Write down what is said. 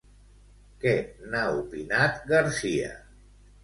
Què n'ha opinat García?